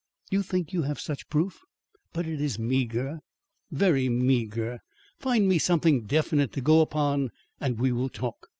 You think you have such proof, but it is meagre, very meagre. Find me something definite to go upon and we will talk."